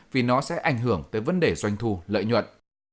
vì nó sẽ ảnh hưởng tới vấn đề doanh thu lợi nhuận